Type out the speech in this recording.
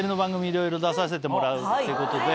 いろいろ出させてもらうっていうことで。